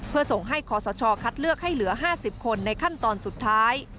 เพื่อส่งให้คอสชคัดเลือกให้เหลือ๕๐คนในขั้นตอนสุดท้าย